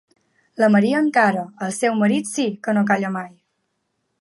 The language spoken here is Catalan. La Maria, encara; el seu marit sí, que no calla mai!